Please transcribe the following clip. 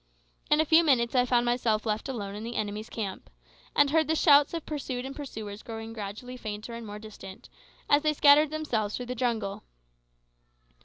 In a few minutes I found myself left alone in the enemy's camp, and heard the shouts of pursued and pursuers growing gradually fainter and more distant, as they scattered themselves through the jungle.